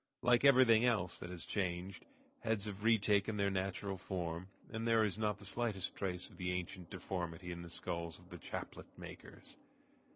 Like everything else, that has changed; heads have re taken their natural form, and there is not the slightest trace of the ancient deformity in the skulls of the chaplet makers.